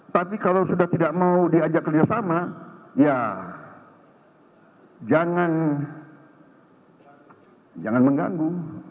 tapi kalau sudah tidak mau diajak kerjasama ya jangan mengganggu